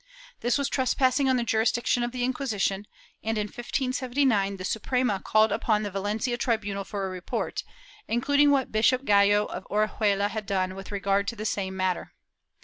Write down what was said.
This was trespassing on the jurisdiction of the Inquisition and, in 1579, the Suprema called upon the Valencia tribunal for a report, including what Bishop Gallo of Orihuela had done with regard to the same matter.